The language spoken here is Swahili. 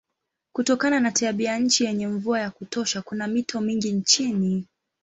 Kutokana na tabianchi yenye mvua ya kutosha kuna mito mingi nchini.